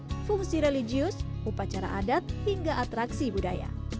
sampai dikumpulkan ke kursi religius upacara adat hingga atraksi budaya